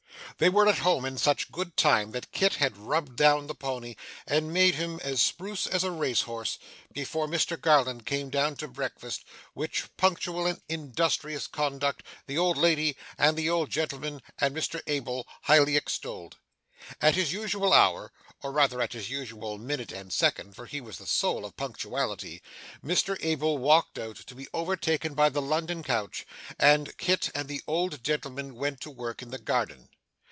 They were at home in such good time that Kit had rubbed down the pony and made him as spruce as a race horse, before Mr Garland came down to breakfast; which punctual and industrious conduct the old lady, and the old gentleman, and Mr Abel, highly extolled. At his usual hour (or rather at his usual minute and second, for he was the soul of punctuality) Mr Abel walked out, to be overtaken by the London coach, and Kit and the old gentleman went to work in the garden.